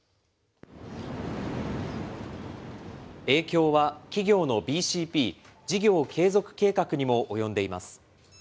影響は、企業のＢＣＰ・事業継続計画にも及んでいます。